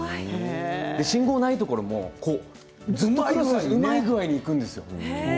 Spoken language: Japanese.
信号がないところも本当にうまい具合に行くんですよ。